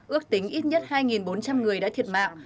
ước tính ít nhất hai bốn trăm linh người đã thiệt mạng